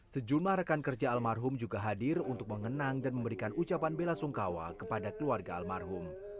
sejumlah rekan kerja almarhum juga hadir untuk mengenang dan memberikan ucapan bela sungkawa kepada keluarga almarhum